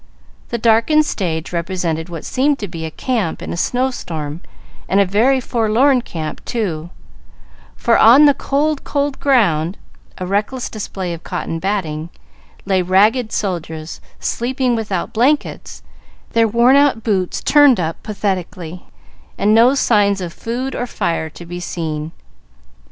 The darkened stage represented what seemed to be a camp in a snow storm, and a very forlorn camp, too; for on "the cold, cold ground" (a reckless display of cotton batting) lay ragged soldiers, sleeping without blankets, their worn out boots turned up pathetically, and no sign of food or fire to be seen.